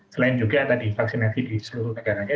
selain juga ada divaksinasi di seluruh negaranya